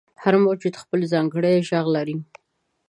• هر موجود خپل ځانګړی ږغ لري.